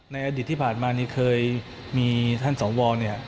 ในอดีตที่ผ่านมานี่เคยมีท่านสว